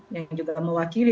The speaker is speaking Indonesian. yang juga mewakili